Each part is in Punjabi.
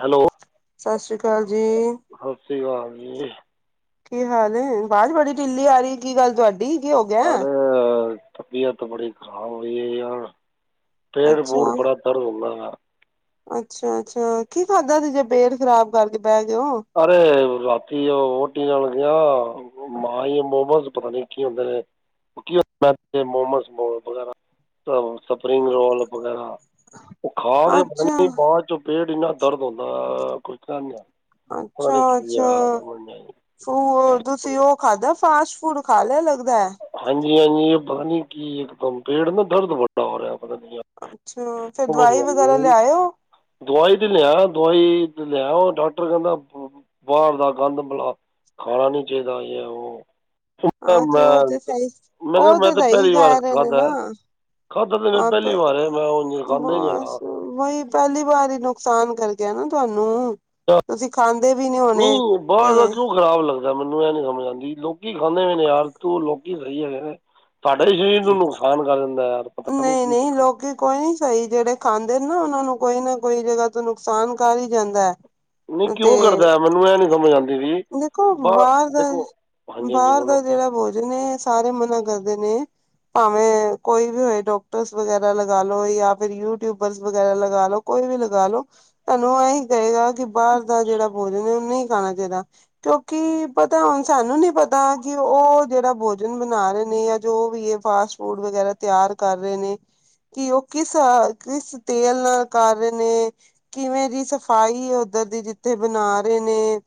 ਹੈਲੋ ਸਤਿ ਸ਼੍ਰੀ ਅਕਾਲ ਜੀ। ਸਤਿ ਸ੍ਰੀ ਕਾਲ ਜੀ। ਕੀ ਹਾਲ ਐ, ਆਵਾਜ਼ ਬੜੀ ਢਿੱਲੀ ਆ ਰਹੀ ਕੀ ਗੱਲ ਤੁਹਾਡੀ, ਕੀ ਹੋ ਗਿਆ ਐ। ਅਰੇ ਤਬੀਅਤ ਬੜੀ ਖ਼ਰਾਬ ਹੋਈ ਹੈ ਯਾਰ, ਪੇਟ ਅੱਛਾ ਪੂਟ ਬੜਾ ਦਰਦ ਹੁੰਦਾ ਹੈ। ਅੱਛਾ- ਅੱਛਾ ਕੀ ਖਾਧਾ ਸੀ, ਜੇ ਪੇਟ ਖ਼ਰਾਬ ਕਰਕੇ ਬਹਿ ਗਏ ਹੋ। ਅਰੇ ਰਾਤੀ ਉਹ ਵੋਟੀ ਨਾਲ ਗਿਆ, ਮਾਂਈ ਮੋਮਸ ਪਤਾ ਨੀ ਕੀ ਹੁੰਦੇ ਨੇ ਔ ਕੀ ਹੋਂਦਾ ਐ, ਮੋਮਸ ਵਗੈਰਾ, ਸਪਰਿੰਗ ਰੋਲ ਵਗੈਰਾ ਖਾ ਕੇ ਪਤਾ ਅੱਛਾ ਨਹੀ, ਬਾਅਦ ਚੋਂ ਪੇਟ ਇੰਨਾ ਦਰਦ ਹੁੰਦਾ, ਕੁਛ ਕਹਿਣ ਦੀ ਹੱਦ ਨਹੀਂ ਅੱਛਾ ਕੀ -ਅੱਛਾ ਆ ਸਮਝ ਨਹੀਂ ਆਈ। ਉਹ ਤੁਸੀਂ ਉਹ ਖਾਧਾ ਫਾਸਟ ਫੂਡ ਖਾ ਲਿਆ ਲੱਗਦਾ ਐ। ਜੀ ਹਾਂਜੀ, ਇਹ ਪਤਾ ਨੀ ਕੀ, ਇੱਕ ਦਮ ਪੇਟ ਨਾ ਦਰਦ ਵਡਾ ਹੋ ਰਿਹਾ ਹੈ। ਅੱਛਾ ਫਿਰ ਦਵਾਈ ਵਗੈਰਾ [unintelligible] ਲਿਆਇਓ ਦਵਾਈ ਤੇ ਲਿਆ ਦਵਾਈ ਲੈਯਾ ਉਹ, ਡਾਕਟਰ ਕਹਿੰਦਾ। ਬਾਹਰ ਦਾ ਗੰਦ ਬਲਾ, ਖਾਣਾ ਨੀ ਚਾਹੀਦਾ ਯਹ ਉਹ ਹਾਂ ਤੇ ਉਹ ਤੇ ਸਹੀ, ਕਿਹਾ ਉਹ ਮੈਂ ਤਾਂ ਸਹੀ ਪਹਿਲੀ ਵਾਰ ਕਹਿ ਰਹੇ ਨੇ ਖਾਧਾ ਨਾ। ਖਾਧਾ ਮੈਂ ਹਾਂ ਪਹਿਲੀ ਤਾਂ, ਵਾਰ ਹੈ ਮੈਂ ਉਂਝ ਖਾਂਦਾ ਹੀ ਨਹੀਂ ਬਸ ਹੈਗਾ ਵਹੀ ਪਹਿਲੀ ਵਾਰ ਹੀ, ਨੁਕਸਾਨ ਕਰ ਗਿਆ ਨਾ ਤੁਹਾਨੂੰ ਤੁਸੀਂ ਖਾਂਦੇ ਵੀ ਨੀ ਹੋਣੇ ਨਹੀਂ ਬਾਹਰ ਦਾ ਤੇ ਕਿਉਂ ਖ਼ਰਾਬ ਲੱਗਦਾ, ਮੈਨੂੰ ਇਹ ਨੀ ਸਮਝ ਆਉਂਦੀ, ਲੋਕ ਕੀ ਖਾਂਦੇ ਨੇ ਯਾਰ, ਤੂੰ ਲੋਕੀ ਸਹੀ ਹੈਗੇ ਨੇ। ਸਾਡਾ ਹੀ ਸਰੀਰ ਨੂੰ ਨੁਕਸਾਨ ਕਰ ਦਿੰਦਾ ਹੈ, ਯਾਰ ਪਤਾ ਨੀ ਨਹੀਂ ਕੀ ਨਹੀਂ ਚੱਕਰ ਲੋਕੀ ਕੋਈ ਨੀ ਸਹੀ ਜਿਹੜੇ ਖਾਂਦੇ ਨਾ, ਉਹਨਾਂ ਨੂੰ ਕੋਈ ਨਾ ਕੋਈ ਜਗ੍ਹਾਹ ਤੋਂ ਨੁਕਸਾਨ ਕਰ ਹੀ ਜਾਂਦਾ। ਨਹੀਂ ਹੈ ਕਿਉਂ ਤੇ ਕਰਦਾ, ਮੈਨੂੰ ਇਹ ਨੀ ਸਮਝ ਆਉਂਦੀ। ਵੀ ਦੇਖੋ ਬਾਹਰ ਦਾ ਦੇਖੋ ਹਾਂਜੀ ਹਾਂਜੀ ਬਾਹਰ ਬੋਲੋ ਦਾ ਜਿਹੜਾ ਭੋਜਨ ਹੈ, ਸਾਰੇ ਮਨਾ ਕਰਦੇ ਨੇ। ਭਾਵੇਂ ਕੋਈ ਵੀ ਹੋਏ, ਡੋਕਟਰ ਵਗੈਰਾ ਲਗਾ ਲੋੋ, ਜਾਂ ਫਿਰ ਯੂਟਿਊਬਰਸ ਵਗੈਰਾ ਲਗਾ ਲੋ ਕੋਈ ਵੀ ਲਗਾ ਲੋੋ, ਤੁਹਾਨੂੰ ਇਹੀ ਕਹੇਗਾ। ਬਾਹਰ ਦਾ ਜਿਹੜਾ ਭੋਜਨ ਹੈ, ਉਹ ਨਹੀਂ ਖਾਣਾ ਚਾਹੀਦਾ, ਕਿਉਂਕਿ ਪਤਾ ਹੁਣ ਸਾਨੂੰ ਨੀ ਪਤਾ ਤਾਂ ਕਿ ਉਹ ਜਿਹੜਾ ਭੋਜ ਜਿੰਜ ਬਣਾ ਰਹੇ ਨੇ, ਯਾ ਜੋ ਵੀ ਐ, ਫਾਸਟ ਫੂਡ ਵਗੈਰਾ ਤਿਆਰ ਕਰ ਰਹੇ ਨੇ ਕਿ ਉਹ ਕਿਸ- ਕਿਸ ਤੇਲ ਨਾਲ ਕਰ ਰਹੇ ਨੇ, ਕਿਵੇਂ ਦੀ ਸਫ਼ਾਈ ਉਹ ਕਦੀ ਜਿੱਥੇ ਬਨਾ ਰੇ ਨੇ।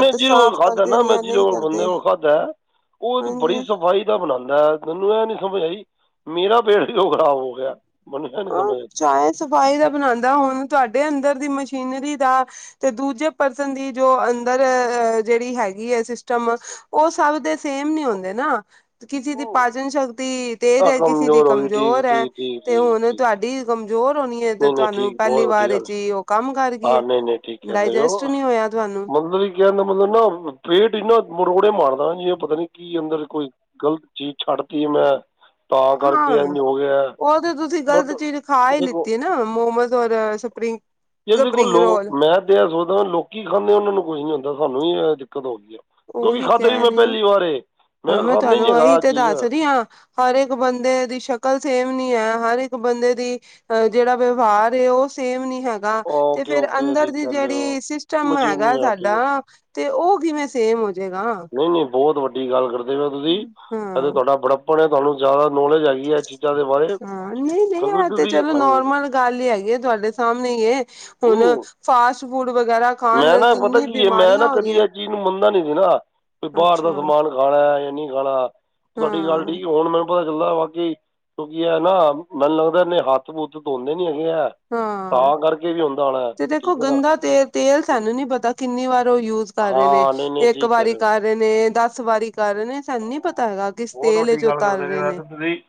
ਨਈ ਜੀਰੇ ਕੋਲ ਸਾਫ਼ ਖਾਧਾ ਕਰਦੇ ਨਾ ਨੇ ਮੈਂ, ਜਾਂ ਜੀਰੇ ਨਹੀਂ ਕੋਲ ਬੰਦੇ ਕਰਦੇ ਕੋਲ ਖਾਧਾਏ। ਉਹ ਬੜੀ ਹਾਂਜੀ ਸਫ਼ਾਈ ਦਾ ਬਨਾਦਾਏ, ਮੈਨੂੰ ਇਹ ਨੀ ਸਮਝ ਆਈ ਮੇਰਾ ਪੇਟ ਕੇਓ ਖ਼ਰਾਬ ਹੋ ਗਿਆ। ਮੈਨੂੰ ਇਹ ਨਹੀਂ ਅ ਸਮਝ ਆਈ ਚਾ ਸਫ਼ਾਈ ਦਾ ਬਨਾਂਦਾ ਹੁਨ ਤੁਹਾਡੇ ਅੰਦਰ ਦੀ ਮਸ਼ੀ ਸ਼ੀਨਰੀ ਦਾ ਤੇ ਦੂਜੇ ਪਰਸਨ ਦੀ ਜੋ ਅੰਦਰ ਜਿਹੜੀ ਹੈਗੀ ਏ ਸਿਸਟਮ ਉਹ ਸਭ ਦੇ ਸੇਮ ਨੀ ਹੁੰਦੇ ਨਾ, ਕਿਸੇ ਦੀ ਪਾਚਨ ਸ਼ ਤੀ ਤੇਜ਼ ਆਹ ਐ, ਕਿਸੇ ਦੀ ਕਮਜ਼ੋਰ ਹੋ ਗਈ ਠੀਕ ਕਮਜ਼ੋਰ ਐ ਠੀਕ ਠੀਕ ਤੇ ਠੀਕ ਹੁਨ ਠੀਕ ਤੁਹਾਡੀ ਕਮਜ਼ੋਰ ਹੋਨੀ ਐ ਤੇ ਨਹੀਂ ਨਹੀਂ ਤੁਹਾਨੂੰ ਠੀਕ ਪਹਿਲੀ ਬਹੁਤ ਵੱਡੀ ਵਾਰ ਗੱਲ ਐਚ ਈ ਉਹ ਕੰਮ ਕਰ ਗਈ ਐ। ਡਾਇਜੈਸਟ ਨਹੀ ਹੋਇਆ। ਤੁਹਾਨੂੰ ਮਲਬ ਕੀ ਕੇਨ ਮਲਬ ਨਾ, ਟੇਡ ਇਨਾਂ ਮੜੋੜੇ ਮਾਰ ਤਾ ਹੀ ਏਹ ਪਤਾ ਨੀ ਕੀ ਅੰਦਰ ਕੋਈ, ਗ਼ਲਤ ਚੀਜ਼ ਛੱਡ ਤੀ ਏ ਮੈਂ, ਤਾਂ ਹਾਂ ਕਰਕੇ ਏਂਝ ਹੋ ਰਿਆ। ਉਹ ਤੇ ਤੁਸੀ ਗ਼ਲਤ ਚੀਜ਼ ਖਾ ਈ ਲਿੱਤੀ ਨਾ, ਮੋਮੋਸ ਔਰ ਸਪਰਿੰਗ। ਇਹਦੇ ਕੋ ਸਪਰਿੰਗ ਲੋ ਰੋਲ ਮੈਂ ਕਿਹਾ ਸੋਚਦਾ ਵਾਂ ਲੋਕੀ ਖਾਂਦੇ ਉਹਨਾਂ ਨੂੰ ਕੁਛ ਨੀ ਹੁੰਦਾ ਸਾਨੂੰ ਹੀ ਦਿੱਕਤ ਹੋ ਗਈ। ਕਿਉਂਕਿ ਉਹੀ ਖਾਧੇ ਵੀ ਕਹਿ ਮੈਂ ਰਹੇ ਹਾਂ ਪਹਿਲੀ ਵਾਰ ਹੁਣ ਮੈਂ ਖਾ ਨੀ ਤੁਹਾਨੂੰ ਹੈਗਾ ਇਹੀ ਇਹ ਤੇ ਚੀਜ਼ ਦੱਸ ਹ। ਰਹੀ ਹਾਂ ਹਰ ਇੱਕ ਬੰਦੇ ਦੀ ਸ਼ਕਲ ਸੇਮ ਨੀ ਹੈ ਹਰ ਇੱਕ ਬੰਦੇ ਦੀ ਅਹ ਜਿਹੜਾ ਵਿਵਹਾਰ ਹੈ ਉਹ। ਉਹ ਸੇਮ ਨੀ ਹੈਗਾ ਤੇ ਓਕੇ ਫਿਰ ਓਕੇ ਅੰਦਰ ਠੀਕ ਦੀ ਚੱਲ ਜਿਹੜੀ ਸਿਸਟਮ ਹੈਗਾ ਮਸ਼ੀਨੀ ਆ ਠੀਕ ਆ ਸਾਡਾ। ਤੇ ਉਹ ਕਿਵੇਂ ਸੇਮ ਹੋ। ਨਹੀਂ ਨਹੀਂ ਬਹੁਤ ਵੱਡੀ ਗੱਲ ਕਰਦੇ ਪਏ ਤੁਸੀਂ ਇਥੇ ਹਾਂ ਤੁਹਾਡਾ ਬੜਾ ਪੜਿਆ ਤੁਹਾਨੂੰ ਜ਼ਿਆਦਾ ਨੌਲੇਜ ਹੈਗੀ ਹੈ ਜੀ। ਹਾਂ ਨਹੀਂ ਨਹੀਂ ਆ ਤੇ ਚਲੋ ਹਾਂ ਨੋਰਮਲ ਗੱਲ ਹੀ ਹੈਗੀ ਹੈ ਤੁਹਾਡੇ ਸਾਹਮਣੇ ਹੁਣ। ਨਹੀਂ ਫਾਸਟ ਫੂਡ ਵਗੈਰਾ ਖਾਣ ਮੈਂ ਨਾਲ ਨਾ ਪਤਾ ਕਿੰਨੀ ਕੀ ਹੈ ਮੈਂ ਨਾ ਬਿਮਾਰੀਆਂ ਕਦੀ ਹੋਦੀਆਂ। ਇਹ ਚੀਜ਼ ਨੂੰ ਮੰਨਦਾ ਨਹੀਂ ਸੀ ਨਾ ਵੀ ਬਾਹਰ ਦਾ ਸਮਾਨ ਖਾਣਾ ਜਾਂ ਨਹੀਂ ਖਾਣਾ ਤੁਹਾਡੀ ਗੱਲ ਹਾਂ ਠੀਕ ਹੁਣ ਮੈ। ਪਤਾ ਚੱਲਦਾ ਬਾਕੀ ਕਿਉਂਕਿ ਇਹ ਨਾ ਮੈਨੂੰ ਲੱਗਦਾ ਇਹਨੇ ਹੱਥ ਹੂੰਥ ਧੋਂਦੇ ਨੀ ਹੈਗੇ ਹੈ। ਹਾਂ ਤੇ ਦੇਖੋ ਠੀਕ ਹੈ ਨਾ ਗੰਦਾ ਤੇਲ ਤੇਲ ਸਾਨੂੰ ਨੀ ਪਤਾ ਕਿੰਨੀ ਵਾਰ ਉਹ ਯੂਜ ਕਰ। ਕਰ ਰਹੇ ਨੇ ਹਾਂ ਨਹੀਂ ਨਹੀਂ ਇੱਕ ਠੀਕ ਵਾਰੀ ਕਰ ਹੋ ਕਰ ਰਹੇ ਨੇ ਦਸ ਵਾਰੀ ਕਰ ਰਹੇ ਨੇ ਸਾਨੂੰ ਨੀ ਪਤਾ ਹੈਗਾ ਕਿਸ ਬਹੁਤ ਤੇਲ ਵੱਡੀ ਚ ਉ ਗੱਲ ਕਰਦੇ ਤਲ ਪਏ ਰਹੇ ਹੋ ਇਹ ਨੇ। ਤਾਂ ਤੁਸੀਂ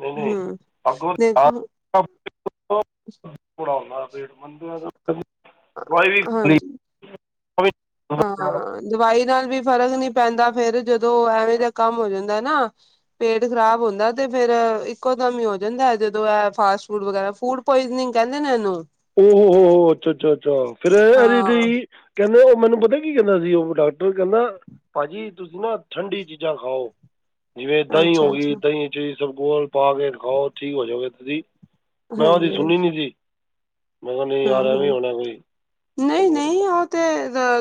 ਨਹੀਂ ਨਹੀਂ ਹਮ ਅੱਗੋਂ ਦੇਖੋ। ਦਵਾਈ। ਹਾਂਜੀ ਉਹ ਵੀ ਹਾਂ ਦਵਾਈ ਨਾਲ ਵੀ ਫ਼ਰਕ ਨੀ ਪੈਂਦਾ ਫੇਰ ਜਦੋਂ ਐਵੇਂ ਦਾ ਕੰਮ ਹੋ ਜਾਂਦਾ। ਨਾ ਪੇਟ ਖ਼ਰਾਬ ਹੁੰਦਾ ਤੇ ਫੇਰ ਇੱਕੋ ਦਮ ਹੀ ਹੋ ਜਾਂਦਾ ਜਦੋਂ ਇਹ ਫਾਸਟ ਫੂਡ ਵਗੈਰਾ। ਫੂਡ ਪੁਆਇਜਨਿੰਗ ਕਹਿੰਦੇ ਨੇੈ ਇਹ ਨੂੰ। ਹੋ ਅੱਛਾ, ਅੱਛਾ, ਅੱਛਾ ਫਿਰ ਇਹ ਹਾਂ ਵੀ ਕਹਿੰਦੇ ਮੈਨੂੰ ਪਤਾ ਕੀ ਕਹਿੰਦਾ ਸੀ ਉਹ ਡਾਕਟਰ ਕਹਿੰਦਾ ਭਾਜੀ ਤੁਸੀਂ ਨਾ ਠੰਡੀ ਚੀਜ਼ਾਂ ਖਾਓ। ਜਿਵੇਂ ਦਹੀਂ ਹੋ ਅੱਛਾ ਗਈ ਅੱਛਾ ਦਹੀਂ ਚ ਇਸਬਗੋਲ ਪਾ ਕੇ ਖਾਓ ਠੀਕ ਹੋ ਜਾਓਗੇ ਤੁਸੀਂ। ਮੈਂ ਉਹਦੀ ਹਾਂਜੀ ਸੁਣੀ ਨੀ ਸੀ ਮੈਂ ਕਿਹਾ ਨਹੀਂ ਹਾਂ ਯਾਰ ਹਾ ਵੀ ਹਾਂ ਹੋਣਾ ਕੋਈ। ਨਹੀਂ ਨਹੀਂ ਉਹ ਤੇ [inaudible]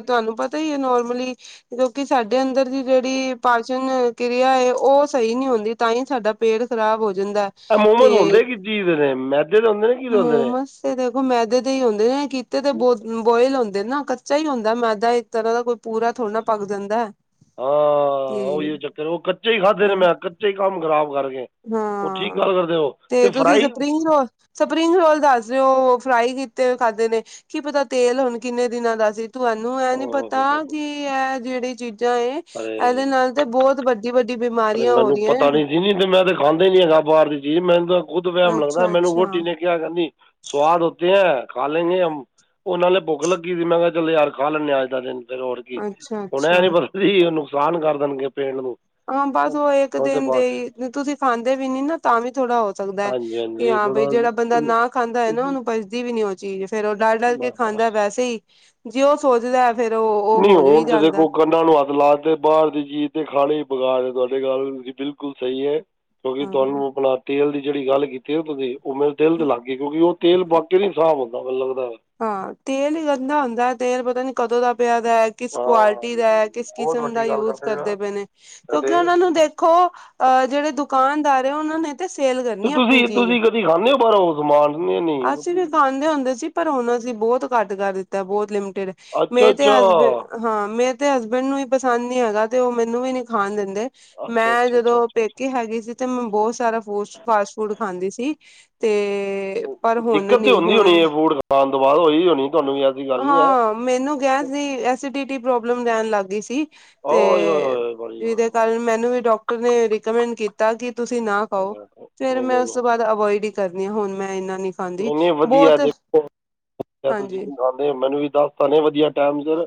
ਤੁਹਾਨੂੰ ਪਤਾ ਹੀ ਹੈ ਨੋਰਮਲੀ ਕਿਉਂਕਿ ਸਾਡੇ ਅੰਦਰ ਦੀ ਜਿਹੜੀ ਪਾਚਣ ਕਿਰਿਆ। ਉਹ ਸਹੀ ਨਹੀਂ ਹੁੰਦੀ ਤਾਂ ਹੀ ਸਾਡਾ ਪੇਟ ਖ਼ਰਾਬ ਹੋ। ਜਾਂਦਾ ਇਹ ਮੋਮ ਮਸ ਤੇ ਹੁਣਦੇ ਕਿਸ ਜੀਜ ਦੇ ਨੇ ਮੈਦੇ ਦੇ ਹੁੰਦੇ ਨੇ ਕੀ ਦੇ ਹੁੰਦੇ ਨੇ। ਮੋਮਸ ਤੇ ਦੇਖੋ ਮੈਦੇ ਤੇ ਹੀ ਹੁੰਦੇ ਨੇ ਕੀਤੇ ਤੇ ਬ ਬੋਇਲ ਹੁੰਦੇ ਨਾ ਕੱਚਾ ਹੀ ਹੁੰਦਾ ਮੈਦਾ ਇੱਕ ਤਰ੍ਹਾਂ ਦਾ ਕੋਈ। ਪੂਰਾ ਥੋੜ੍ਹ ਨਾ ਪਗ ਜਾਂਦਾ ਹੈ। ਹਾਂ ਤੇ ਉਹੀ ਚੱਕਰ ਉਹ ਕੱਚੇ ਹੀ ਖਾਧੇ ਨੇ ਹਾਂ ਮੈਂ ਕੱਚੇ ਹੀ ਕੰਮ ਖਰਾਬ ਕਰ ਗਏ ਉਹ ਠੀਕ ਹਾਂ ਗੱਲ ਕਰਦੇ ਹੋ ਤੇ ਅਤੇ ਤੁਸੀਂ fry spring roll spring roll ਦੱਸ ਦਸ ਹੋ। ਫਰਾਈ ਕੀਤੇ ਖਾਧਦੇ ਨੇ ਕੀ ਪਤਾ ਤੇਲ ਹੁਣ ਕਿੰਨੇ ਦਿਨਾਂ ਦਾ ਸੀ। ਤੁਹਾਨੂੰ ਇਹ ਨੀ ਓਹ ਪਤਾ ਹੋ ਹੋ ਹੋ ਕਿ ਇਹ ਜਿਹੜੀ ਚੀਜ਼ਾਂ ਏ ਇਹਦੇ ਨਾਲ ਤੇ ਬਹੁਤ ਵੱਡੀ ਵੱਡੀ ਪਰ ਬਿਮਾਰੀਆਂ ਹੋ ਮੈਨੂੰ ਪਤਾ ਰਹੀਆਂ ਨੀ ਸੀ ਨ ਤੇ ਮੈਂ ਤੇ ਖਾਂਂਦੇ ਨੀ ਹੈਗਾ ਬਾਹਰ ਦੀ ਚੀਜ਼ ਮੈਨੂੰ ਤਾਂ ਖੁਦ ਵਹਿਮ ਲੱਗਦਾ ਅੱਛਾ ਮੈਨੂੰ ਅੱਛਾ ਵੋਟੀ ਨੇ ਕਿਹਾ ਕਹਿੰਦੀ । ਸਵਾਦ ਹੋਤੇ ਹੈ ਖਾ ਲੈਂਗੇ ਹਮ। ਉਹਨਾਂ ਨੇ ਭੁੱਖ ਲੱਗੀ ਸੀ ਮੈਂ ਕਿਹਾ ਚੱਲ ਯਾਰ ਖਾ ਲੈਂਦੇ ਹ ਅੱਜ ਦਾ ਦਿਨ ਫਿਰ ਹੋਰ ਕੀ ਅੱਛਾ ਹੁਣ ਐ ਅੱਛਾ ਨੀ ਪਤਾ ਸੀ ਉਹ ਨੁਕਸਾਨ ਕਰ ਦੇਣਗੇ ਪੇਟ ਨੂੰ। ਹਾਂ ਬਸ ਉਹ ਇੱਕ ਤਾਂ ਦਿਨ ਦੇ ਬਸ ਹੀ ਤੁਸੀਂ ਖਾਂਦੇ ਵੀ ਨੀ ਨਾ ਤਾਂ ਵੀ ਥੋੜਾ ਹੋ ਸਕਦਾ ਹੈ ਹਾਂਜੀ ਕਿ ਹਾਂਜੀ ਹਾਂ ਬਈ। ਥੋੜ੍ਹਾ ਜਿਹੜਾ ਬੰਦਾ ਨਾ ਖਾਂਦਾ ਹੋਏ ਨਾ ਉਹਨੂੰ ਬਜਦੀ ਵੀ ਨੀ ਹੋਦੀ ਚੀਜ਼ ਫੇਰ ਉਹ ਡਲ ਡਲ ਕੇ ਬਸ ਖਾਂਦਾ ਬਸ ਵੈਸੇ ਹੀ ਜੇ ਉਹ ਸੋਚਦਾ। ਫੇਰ ਉਹ ਉਹ ਨੀ ਹੋ ਵੀ ਹੋਣ ਜ ਕੋਈ ਜਾਂਦਾ ਕੰਨਾਂ ਨੂੰ ਹੱਥ ਲਾਤੇ ਬਾਹਰ ਦੀ ਚੀਜ ਤੇ ਖਾਣੀ ਬਗਾ ਤੁਹਾਡੇ ਗਲ ਤੁ ਬਿਲਕੁਲ ਸਹੀ ਹੈ ਕਿਉਂਕਿ ਹਾਂ ਤੁਹਾਨੂੰ ਆਪਣਾ ਤੇਲ ਦੀ ਜਿਹੜੀ ਗੱਲ ਕੀਤੀ ਤੁਸੀਂ ਉਹ ਮੇਰੇ ਦਿਲ ਤੇ ਲਗ ਗਈ ਕਿਉਂਕਿ ਉਹ ਤੇਲ ਬਾਕੀ ਨੀ ਸਾਫ਼ ਹੁੰਦਾ ਮਤਲਵ ਹਾਂ ਤੇਲ ਹੀ ਗੰਦਾ ਹੁੰਦਾ ਤੇਲ ਪਤਾ ਨੀ ਕਦੋਂ ਦਾ ਪਿਆ। ਦਾ ਕਿਸ ਹਾਂ ਕੁਆਲਿਟੀ ਦਾ ਕਿਸ ਬਹੁਤ ਕਿਸਮ ਦਾ ਵੱਡੀ ਗੱਲ ਯੂਜ ਹੋ ਕਰਦੇ ਯਾਰ। ਪਏ ਨੇ ਕਿਉਂਕਿ ਅਤੇ ਉਹਨਾਂ ਨੂੰ ਦੇਖੋ ਅਹ ਜਿਹੜੇ ਦੁਕਾਨਦਾਰ ਆ ਉਹਨਾਂ ਨੇ ਤੇ ਸੇਲ ਤੇ ਕਰਨੀ ਆਪਣੀ ਤੁਸੀਂ ਚੀਜ਼ ਤੁਸੀਂ ਕਦੀ ਖਾਂਦੇ ਹੋ ਬਾਹਰੋਂ ਸਮਾਨ ਨਹੀਂ ਨਹੀਂ ਅਸੀਂ ਵੀ ਤੁਸੀਂ- ਖਾਂਦੇ ਹੁੰਦੇ ਸੀ। ਪਰ ਹੁਣ ਸੀ ਬਹੁਤ ਘੱਟ ਕਰ ਦਿੱਤਾ ਬਹੁਤ ਲਿਮਟਿਡ ਅੱਛਾ ਮੇਰੇ ਤੇ ਅੱਛਾ ਹਸਬੈਂਡ ਹਾਂ ਮੇ ਤੇ ਹਸਬੈਂਡ ਨੂੰ ਵੀ ਪਸੰਦ ਨੀ ਹੈਗਾ ਤੇ ਉਹ ਮੈਨੂੰ ਵੀ ਨੀ ਖਾਣ ਦਿੰਦੇ। ਅੱਛਾ ਮੈਂ ਅੱਛਾ ਅੱਛਾ ਜਦੋਂ ਅੱਛਾ ਅੱਛਾ ਪੇਕੇ ਹੈਗੀ ਸੀ ਤੇ ਮੈਂ ਬਹੁਤ ਸਾਰਾ ਫੂਸਟ ਫਾਸਟ ਫੂਡ ਖਾਂਦੀ ਸੀ। ਤੇ ਪਰ ਉਹ ਹੁਣ ਦਿੱਕਤ ਤਾਂ ਨੀ ਹੁੰਦੀ ਹੁਣ ਹੋਣੀ ਹੈ ਫੂਡ ਖਾਣ ਤੋਂ ਬਾਅਦ ਹੋਈ ਹੋਣੀ ਤੁਹਾਨੂੰ ਵੀ ਐਸੀ ਗੱਲ ਨਹੀਂ ਹੈ ਹਾਂ ਮੈਨੂੰ ਗੈਸ ਦੀ ਐਸੀਡਿਟੀ ਪ੍ਰੋਬਲਮ ਰਹਿਣ ਲੱਗ ਗਈ ਸੀ ਤੇ ਓਏ ਹੋਏ ਹੋਏ ਬੜੀ ਵਾਹ ਵਾਹ ਜਿਦੇ ਕਾਰਨ ਵਾਹ, ਮੈਨੂੰ ਵਾਹ, ਵੀ ਡਾਕਟਰ ਨੇ ਰਿਕਮੈਂਡ ਕੀਤ ਤਾ ਕਿ ਤੁਸੀਂ ਨਾ ਵਾਹ। ਖਾਓ ਫੇਰ ਨਹੀਂ ਨਹੀਂ ਮੈਂ ਉਸ ਤੋਂ ਬਾਅਦ ਅਵੋਇਡ ਈ ਕਰਨੀ ਆ ਹੁਣ ਮੈਂ ਇਨਾ ਨਈ ਨਈ ਵਧੀਆ ਦੇਖੋ ਦੱਸਤਾ ਤੁਸੀ ਹਾਂਜੀ ਨਈ ਮੈਨੂੰ ਵੀ ਦੱਸਤਾ ਵਧੀਆ ਟੈਮ ਸਿਰ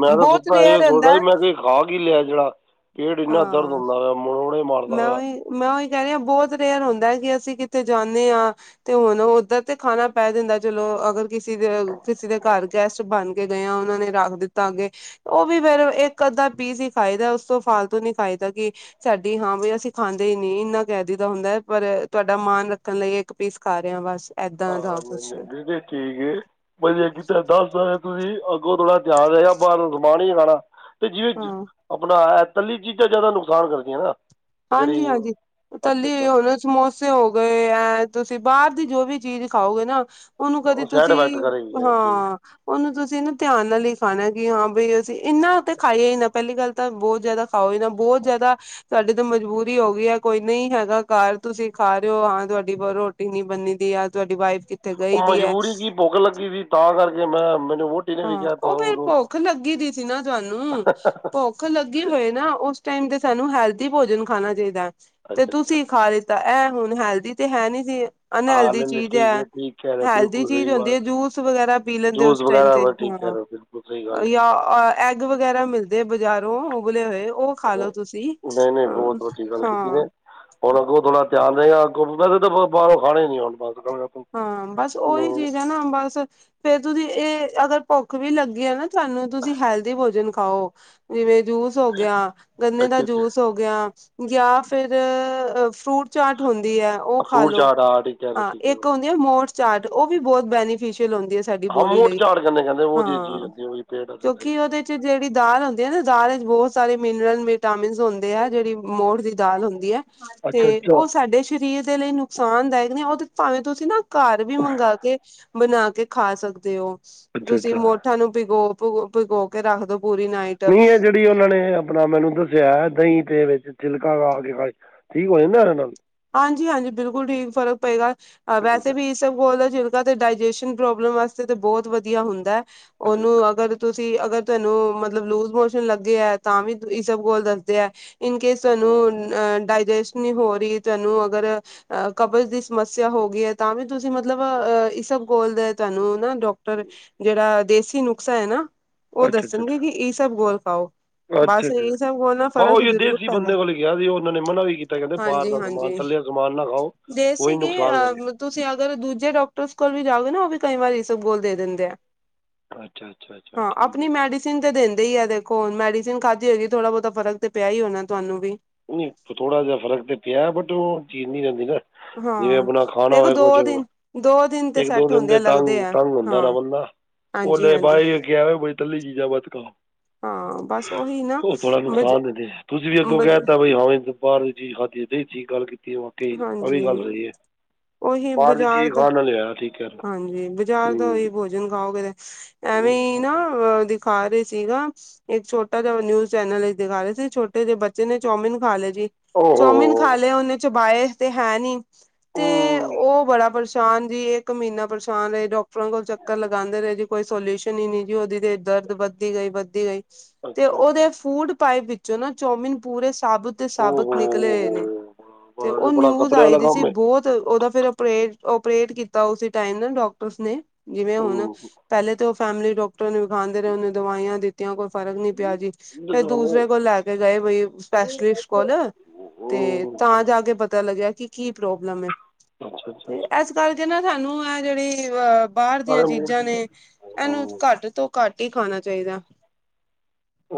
ਮੈਂ ਤਾਂ ਬਹੁਤ ਸੁੱਤਾ ਸੀ ਰੇਅਰ ਹੁੰਦਾ ਸੋਚਦਾ ਸੀ ਹੈ। ਮੈਂ ਖਾ ਕੀ ਲਿਆ ਐ। ਜਿਹੜਾ ਪੇਟ ਇੰਨਾ ਦਰਦ ਹਾਂ ਹੁੰਦਾ ਪਿਆ ਮਰੋੜੇ ਮਾਰ ਮੈਂ ਓਈ, ਮੈ ਓਈ ਕਹਿ ਰਹੀ ਆ ਬਹੁਤ ਰੇਅਰ ਹੁੰਦਾ ਐ ਕਿ ਅਸੀਂ ਕਿੱਥੇ ਜਾਂਨੇ ਆ ਤੇ ਹੁਣ ਓਧਰ ਤੇ ਖਾਣਾ ਪੈ ਜਾਂਦਾ ਚਲੋ ਅਗਰ ਕਿਸੇ ਦੇ, ਕਿਸੇ ਦੇ ਘਰ ਗੈਸਟ ਬਣ ਕੇ ਗਏ ਆ ਉਨਾਂ ਨੇ ਰੱਖ ਦਿੱਤਾ ਅੱਗੇ ਉਹ ਵੀ ਫੇਰ ਇੱਕ ਅੱਧਾ ਪੀਸ ਈ ਖਾਈਦਾ ਉਸ ਤੋਂ ਫਾਲਤੂ ਨੀ ਖਾਈਦਾ ਕਿ ਸਾ ਦੀ ਹਾਂ ਬ ਅਸੀਂ ਖਾਂਦੇ ਈ ਨਈ ਇੰਨਾ ਕੈ ਦਇਦਾ ਹੁੰਦਾ ਐ ਪਰ ਤੁਹਾਡਾ ਮਾਣ ਰੱਖਣ ਲਈ ਇੱਕ ਪੀਸ ਖਾ ਰਹੇ ਹਾਂ ਬਸ ਏਦਾਂ ਦਾ ਹਾਂ, ਨਈ ਕੁਛ ਨਈ [unintelligible] ਠੀਕ ਐ। ਵਧੀਆ ਕੀਤਾ ਦੱਸਤਾ ਐ। ਤੁਸੀਂ ਅੱਗੋਂ ਥੋੜਾ ਧਿਆਨ ਰਹੇਗਾ ਬਾਰੋ ਸਮਾਨ ਈ ਨਈ ਖਾਣਾ ਤੇ ਜੀ ਹਾਂ ਆਪਣਾ ਤੱਲੀ ਚੀਜ਼ਾਂ ਜ਼ਿਆਦਾ ਨੁਕਸਾਨ ਕਰਦੀਆਂ ਨਾ ਜਿਹੜੀ ਹਾਂਜੀ-ਹਾਂਜੀ ਅੱਛਾ ਤੱਲੀ ਅੱਛਾ ਹੋਗੇ, ਸਮੋਸੇ ਹੋ ਗਏ ਐ ਤੁਸੀਂ ਬਾਰ ਦੀ ਜੋ ਵੀ ਚੀਜ਼ ਖਾਓਗੇ ਨਾ ਉਹਨੂੰ ਕਦੇ ਉਹ ਸਾਈਡ ਇਫੈਕਟ ਤੁਸੀਂ ਕਰੇਗੀ ਇਹ ਠੀਕ ਹਾਂ ਹੈ, ਉਹਨੂੰ ਤੁਸੀਂ ਨਾ ਧਿਆਨ ਨਾਲ ਈ ਖਾਣਾ ਕਿ ਹਾਂ ਬਈ ਇਨਾਂ ਤੇ ਅੱਛਾ ਖਾਈਏ ਨਾ ਪਹਿਲੀ ਗੱਲ ਤਾਂ ਬਹੁਤ ਜ਼ਿਆਦਾ ਖਾਓ ਈ ਨਾ ਬਹੁਤ ਜਿਆਦਾ ਸਾਡੇ ਮਜਬੂਰੀ ਹੋ ਗਈ ਐ ਕੋਈ ਨਈ ਹੈਗਾ ਘਰ ਤੁਸੀਂ ਖਾ ਰਹੇ ਓ ਹਾਂ ਤੁਹਾਡੀ ਪਰ ਰੋਟੀ ਨੀ ਬੰਨੀ ਦੀ ਆ ਤੁਹਾਡੀ ਵਾਈਫ ਕਿੱਥੇ ਉਹ ਗਈ ਦੀ ਹੈ ਮਜਬੂਰੀ ਕੀ ਭੁੱਖ ਲੱਗੀ ਸੀ ਤਾਂ ਕਰਕੇ ਮੈਂ ਮੈਨੂੰ ਵੋਟੀ ਨੇ ਵੀ ਹਾਂ ਕੈ ਉਹ ਤਾ ਫੇਰ ਭੁੱਖ ਲੱਗੀ ਦੀ ਸੀ ਨਾ ਤੁਹਾਨੂੰ ਭੁੱਖ ਲੱਗੀ ਹੋਏ ਨਾ ਉਸ ਟੈਮ ਤੇ ਸਾਨੂੰ ਹੈਲਦੀ ਭੋਜਨ ਖਾਣਾ ਚਾਹੀਦਾ ਐ ਅੱਛਾ ਤੇ ਅੱਛਾ ਤੁਸੀਂ ਖਾ ਰੇ ਤਾਂ ਇਹ ਹੁਣ ਹੈਲਦੀ ਤੇ ਹੈ ਨੀ ਜੇ ਅਨਹੈਲਦੀ ਚੀਜ਼ ਐ ਹੈਲਦੀ ਚੀਜ਼ ਹੁੰਦੀ ਐ ਜੂਸ ਵਗੈਰਾ ਪੀ ਲੈਂਦੇ ਉਸ ਟਾਈਮ ਤੇ ਵਾ ਠੀਕ ਹੂੰ। ਕਹਿ ਰਹੇ ਹੋ ਬਿਲਕੁਲ ਸਹੀ ਗੱਲ ਜਾਂ ਐਗ ਵਗੈਰਾ ਮਿਲਦੇ ਬਾਜ਼ਾਰ ਉਬਲੇ ਹੋਏ ਉਹ ਖਾ ਹੈ ਲੋੋ ਤੁਸੀਂ ਨਹੀਂ ਬਹੁਤ ਵੱਡੀ ਗੱਲ ਕੀਤੀ ਹਾਂ ਨੇ ਹੁਣ ਅੱਗੋਂ ਥੋੜਾ ਧਿਆਨ ਰਏਗਾ ਅਗੋ ਵੈਸੇ ਤਾਂ ਬਾਹਰੋਂ ਖਾਣਾ ਈ ਨਈ ਹੁਣ ਬਸ ਅੱਛਾ ਹਾਂ, ਬਸ ਉਹੀ ਚੀਜ਼ ਐ ਨਾ ਬਸ ਫੇਰ ਤੁਸੀਂ ਇਹ ਅਗਰ ਭੁੱਖ ਵੀ ਲੱਗੀ ਐ ਨਾ ਤੁਹਾਨੂੰ ਤੁਸੀਂ ਹੈਲਦੀ ਭੋਜਨ ਖਾਓ ਜਿਵੇਂ ਜੂਸ ਹੋ ਗਿਆ, ਗੰਨੇ ਦਾ ਅੱਛਾ ਜੂਸ ਹੋ ਗਿਆ ਜਾਂ ਫਿਰ ਫਰੂਟ ਚਾਟ ਹੁੰਦੀ ਐ ਉਹ ਖਾ ਲੋ। ਹਾਂ, ਇੱਕ ਹੁੰਦੀ ਐ ਮੋਠ ਚਾਟ ਉਹ ਵੀ ਬਹੁਤ ਬੈਨੀਫਿਸ਼ ਕੇ ਲਾਉਂਦੀ ਐ ਸਾਡੀ ਬੋਡੀ ਲਈ ਹਾਂ, ਕਿਉਂਕਿ ਉਹਦੇ ਚ ਜਿਹੜੀ ਦਾਲ ਹੁੰਦੀ ਐ ਨਾ ਦਾਲ ਬਹੁਤ ਸਾਰੇ ਮਿਨਰਲ ਵਿਟਾਮਿੰਨਸ ਹੁੰਦੇ ਆ ਜਿਹੜੀ ਮੋਠ ਦੀ ਦਾਲ ਹੁੰਦੀ ਐ ਅੱਛਾ ਤੇ ਅੱਛਾ ਉਹ ਸਾਡੇ ਸਰੀਰ ਦੇ ਲਈ ਨੁਕਸਾਨਦਾਇਕ ਨਈ ਉਹ ਤੇ ਭਾਵੇਂ ਤੁਸੀਂ ਨਾ ਘਰ ਵੀ ਮੰਗਾ ਕੇ, ਬਣਾ ਕੇ ਖਾ ਸਕਦੇ ਓ। ਅੱਛਾ ਤੁਸੀਂ ਅੱਛਾ ਮੋਠਾਂ ਨੂੰ ਭਿਗੋ ਭ ਭਿਗੋ ਕੇ ਰੱਖ ਦੋ। ਪੂਰੀ ਨਾਈਟ ਨਈ ਐ ਜਿਹੜੀ ਉਹਨਾਂ ਨੇ ਆਪਣਾ ਮੈਨੂੰ ਦੱਸਿਆ, ਦਈ ਦੇ ਵਿੱਚ ਛਿਲਕਾ ਖਾ ਕੇ ਖਾਏ, ਠੀਕ ਹੋ ਜਾਂਦਾ ਇਹਦੇ ਨਾਲ? ਹਾਂਜੀ-ਹਾਂਜੀ, ਬਿਲਕੁਲ ਠੀਕ, ਫ਼ਰਕ ਪਏਗਾ। ਅੱਛਾ ਵੈਸੇ ਅੱਛਾ ਵੀ ਇਸਬਗੋਲ ਦਾ ਛਿਲਕਾ ਤੇ ਡਾਇਜੈਸ਼ਨ ਪ੍ਰੋਬਲਮ ਵਾਸਤੇ ਤੇ ਬਹੁਤ ਵਧੀਆ ਹੁੰਦੈ। ਅੱਛਾ ਉਹਨੂੰ ਅੱਛਾ ਅਗਰ ਤੁਸੀਂ ਅਗਰ ਤੈਨੂੰ ਮਤਲਬ ਲੂਜ ਮੋਸ਼ਨ ਲੱਗੇ ਐ ਤਾਂ ਵੀ ਇਸਬਗੋਲ ਦੱਸਦੇ ਐ। ਇਨ ਕੇਸ ਹਾਂ। ਤੁਹਾਨੂੰ ਡਾਇਜੈਸ ਨੀ ਹੋ ਰੀ ਤੁਹਾਨੂੰ ਅਗਰ ਅਹ ਕਬਜ਼ ਦੀ ਸਮੱਸਿਆ ਹੋ ਗਈ ਐ, ਤਾਂ ਵੀ ਤੁਸੀਂ ਮਤਲਬ ਅਹ ਇਸਭਘੋਲ ਦਾ ਤੁਾਨੂੰ ਨਾ ਡਾਕਟਰ, ਜਿਹੜਾ ਦੇਸੀ ਨੁਕਸਾ ਏ ਨਾ ਉਹ ਅੱਛਾ ਅੱਛਾ ਦੱਸਣਗੇ ਅੱਛਾ ਕਿ ਇਸਬਗੋਲ ਖਾਓ। ਅੱਛਾ ਬਸ ਅੱਛਾ ਇਸਬਗੋਲ ਨਾਲ ਬਾ ਉਹ ਫ਼ਰਕ ਹੀ ਜ਼ਰੂਰ ਦੇਸੀ ਪੈਂਦਾ। ਬੰਦੇ ਕੋਲ ਗਿਆ ਸੀ ਉਹਨਾਂ ਨੇ ਮਨਾ ਵੀ ਕੀਤਾ ਕਹਿੰਦੇ ਬਾਹਰ ਦਾ ਸਮਾਨ ਹਾਂਜੀ-ਹਾਂਜੀ ਤਲਿਆ ਸਮਾਨ ਨਾ ਖਾਓ ਦੇ ਉਹੀ ਸੀਗੀ, ਨੁਕਸਾਨ ਅਹ ਕਰੇ ਤੁਸੀਂ ਅਗਰ ਦੂਜੇ ਡਾਕਟਰਸ ਕੋਲ ਵੀ ਜਾ ਜਾਓਗੇ ਨਾ, ਓ ਵੀ ਕਈ ਵਾਰੀ ਈਸਬਗੋਲ ਦੇ ਦਿੰਦੇ ਆ। ਅੱਛਾ ਅੱਛਾ ਅੱਛਾ ਹਾਂ, ਠੀਕ ਹੈ ਆਪਣੀ ਜੀ। ਮੈਡੀਸਿਨ ਤੇ ਦੇਂਦ ਦੇ ਹੀ ਆ, ਦੇਖੋ ਹੁਣ ਮੈਡੀਸਨ ਖਾਧੀ ਹੋਏਗੀ, ਥੋੜਾ ਬਹੁਤਾ ਫਰਕ ਤੇ ਪਿਆ ਹੀ ਹੋਣਾ ਤੁਹਾਨੂੰ ਵੀ। ਨਹੀਂ ਥੋੜਾ ਜਿਹਾ ਫਰਕ ਤੇ ਪਿਆ, ਬਟ ਉਹ ਚੀਜ਼ ਨੀ ਰਹਿੰਦੀ ਨਾ। ਜਿਵੇਂ ਹਾਂ ਆਪਣਾ ਖਾਣਾ ਦੇਖੋ ਹੋਵੇ ਦੋ ਕੁਛ, ਦਿਨ ਦੋ ਦਿਨ ਤੇ ਇੱਕ ਦੋ ਸੈੱਟ ਦਿਨ ਹੁੰਦੇ ਆ ਤੇ ਲੱਗਦੇ ਤੰਗ, ਆ। ਤੰਗ ਹੁੰਦਾ ਹਾਂ ਨਾ ਬੰਦਾ। ਉਨੇ ਹਾਂਜੀ-ਹਾਂਜੀ ਬਸ ਇਹੀਓ ਕਿਹਾ ਹੈ ਬਈ ਤਲੀ ਚੀਜਾਂ ਮਤ ਖਾਓ। ਹਾਂ ਬਸ ਉਹੀ ਨਾ ਉਹ ਥੋੜਾ ਬਜ ਨੁਕਸਾਨ ਦਿੰਦੇ । ਤੁਸੀਂ ਵੀ ਅੱਗੋਂ ਬਜ ਕਹਿ ਤਾ ਬਈ ਹਾਂ ਬਈ ਬਾਹਰ ਦੀ ਚੀਜ਼ ਖਾਧੀ, ਦਈ ਠੀਕ ਗੱਲ ਕੀਤੀ। [unintelligible] ਆ ਵੀ ਗੱਲ ਸਹੀ ਏ। ਓਹੀ ਬਾਜ਼ਾਰ ਦਾ, ਹੈ ਹਾਂਜੀ ਬਾਜ਼ਾਰ ਦਾ ਹੂੰ ਉਹੀ ਭੋਜਨ ਖਾਓਗੇ 'ਤੇ ਐਵੇਂ ਈ ਹੂੰ। ਨਾ ਦਿ ਖਾ ਰਹੇ ਸੀ ਨਾ, ਇੱਕ ਛੋਟਾ ਜਿਹਾ ਨਿਊਜ ਚੈਨਲ ਚ ਦਿਖਾ ਰਹੇ ਸੀ, ਛੋਟੇ ਜਿਹੇ ਬੱਚੇ ਨੇ ਚੌਮਿਨ ਖਾ ਲਏ ਸੀ, ਚੌਮਿਨ ਖਾ ਓਹੋ ਲਏ ਉਹਨੇ, ਚਬਾਏ ਤੇ ਹੈ ਨੀ । ਤੇ ਹੂੰ ਉਹ ਬੜਾ ਪਰੇਸ਼ਾ ਸ਼ਾਨ ਜੀ, ਇੱਕ ਮਹੀਨਾ ਪਰੇਸ਼ਾਨ ਰਹੇ, ਡਾਕਟਰਾਂ ਕੋਲ ਚੱਕਰ ਲਗਾਉਂਦੇ ਰਹੇ ਜੀ । ਕੋਈ ਸੋਲਿਊਸ਼ਨ ਹੀ ਨਹੀਂ ਜੀ । ਉਹਦੀ ਤੇ ਇੱਧਰ ਦਰਦ ਵੱਧਦੀ ਗਈ, ਵੱਧਦੀ ਗਈ । ਤੇ ਅੱਛਾ ਅੱਛਾ ਉਹਦੇ ਫੂਡ ਪਾਈਪ ਵਿੱਚੋਂ ਨਾ ਚੋਮਿਨ ਪੂਰੇ ਸਾਬੁਤ ਦੇ ਸਾਬੁਤ ਨਿਕਲੇ ਹੋਏ ਨੇ। ਤੇ ਉਹ ਨਿਊਜ਼ ਆਈ ਦੀ ਸੀ, ਬਹੁਤ ਉਹਦਾ ਫਿਰ ਅਪਰੇ ਓਪਰੇਟ ਕੀਤਾ ਉਸੇ ਟਾਈਮ ਨਾ ਡਾਕਟਰਸ ਨੇ, ਜਿਵੇਂ ਹੁਣ, ਪਹਿਲੇ ਤੋ ਫੈਮਿਲੀ ਡਾਕਟਰ ਨੂੰ ਵਿਖਾਂਦੇ ਰਹੇ, ਉਹਨੇ ਦਵਾਈਆਂ ਦਿੱਤੀਆਂ, ਕੁ ਫ਼ਰਕ ਨਹੀਂ ਪਿਆ ਜੀ । ਫਿਰ ਦੂਸਰੇ ਕੋਲ ਲੈ ਕੇ ਗਏ, ਬਈ ਸਪੈਸ਼ਲਿਸਟ ਕੋਲ ਤੇ ਤਾਂ ਜਾ ਕੇ ਪਤਾ ਲੱਗਿਆ ਕਿ, ਕੀ ਪ੍ਰੋਬਲਮ ਏ । ਤੇ ਐਸ ਕਰਕੇ ਨਾ ਸਾਨੂੰ, ਐ ਜਿਹੜੀ ਵ ਬਾਹਰ ਦੀਆਂ ਚੀਜ਼ਾਂ ਨੇ, ਇਹਨੂੰ ਘੱਟ ਤੋਂ ਘੱਟ ਹੀ ਖਾਣਾ ਚਾਹੀਦਾ।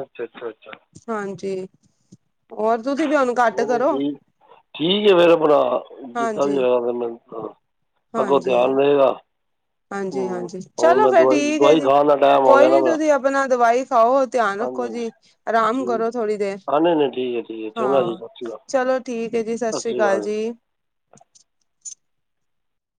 ਅੱਛਾ-ਅੱਛਾ- ਅੱਛਾ। ਹੋਰ ਤੁਸੀਂ ਵੀ ਹੁਣ ਘੱਟ ਨਹੀਂ ਨਹੀਂ ਕਰੋ। ਠੀਕ ਠੀਕ ਏ ਫਿਰ ਆਪਣਾ, ਜਿੱਦਾਂ ਵੀ ਹਾਂਜੀ ਹੋਏਗਾ। ਫਿਰ ਮੈਨੂੰ ਅੱਗੋਂ ਧਿਆਨ ਰਹੇਗਾ। ਹਾਂ ਹੂੰ, ਹਾਂਜੀ-ਹਾਂਜੀ, ਹੁਣ ਚਲੋ ਮੈਂ ਫਿਰ ਦਵਾਈ ਠੀਕ ਏ ਦਵਾਈ ਜੀ। ਖਾਣ ਦਾ ਟਾਈਮ ਹੋ ਕੋਈ ਗਿਆ ਨਾ ਨੀ ਮੇਰਾ ਤੁਸੀਂ ਆਪਣਾ ਦਵਾਈ ਖਾਓ, ਧਿਆਨ ਹਾਂਜੀ ਰੱਖੋ ਹਾਂਜੀ ਜੀ। ਆਰਾਮ ਠੀਕ ਕਰੋ ਥੋੜੀ ਦੇਰ, ਹਾਂ ਨਹੀਂ ਨਹੀਂ ਠੀਕ ਹੈ ਠੀਕ ਹੈ ਚੰਗਾ ਜੀ ਹਾਂ। ਸਤਿ ਸ਼੍ਰੀ ਅਕਾਲ ਚਲੋ ਠੀਕ ਹੈ ਜੀ, ਸਤਿ ਸ੍ਰੀ ਅਕਾਲ ਜੀ।